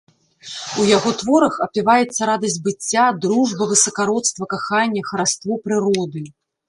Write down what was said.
У яго творах апяваецца радасць быцця, дружба, высакародства, каханне, хараство прыроды.